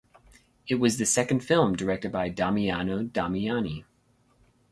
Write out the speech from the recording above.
It was the second film directed by Damiano Damiani.